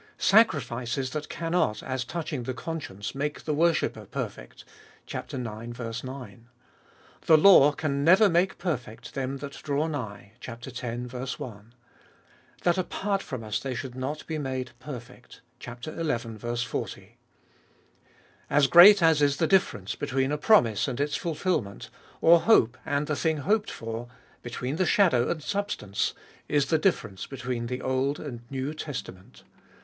Sacrifices that cannot, as touching the conscience, make the worshipper perfect (ix. 9). The law can never make perfect them that draw nigh (x. i). That apart from us they should not be made perfect (xi. 40). As great as is the difference between a promise and its fulfil ment, or hope and the thing hoped for, between the shadow and substance, is the difference between the Old and New Testament.